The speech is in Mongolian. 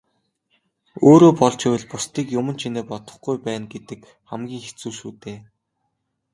Өөрөө болж байвал бусдыг юман чинээ бодохгүй байна гэдэг хамгийн хэцүү шүү дээ.